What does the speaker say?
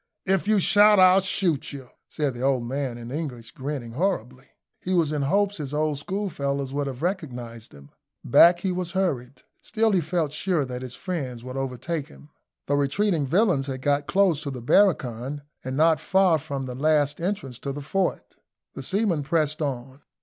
"If you shout, I'll shoot you!" said the old man, in English, grinning horribly. He was in hopes his old schoolfellows would have recognised him. Back he was hurried. Still he felt sure that his friends would overtake him. The retreating villains had got close to the barracoon, and not far from the last entrance to the fort. The seamen pressed on.